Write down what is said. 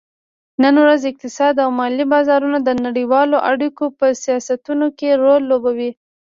نن ورځ اقتصاد او مالي بازارونه د نړیوالو اړیکو په سیاستونو کې رول لوبوي